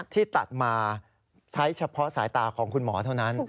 ที่ตัดมาใช้เฉพาะสายตาของคุณหมอเท่านั้น